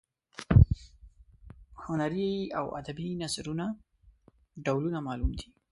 د هنري او ادبي نثرونو ډولونه معلوم دي.